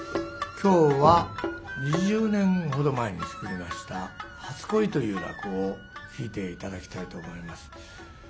今日は２０年ほど前に作りました「初恋」という落語を聴いて頂きたいと思います。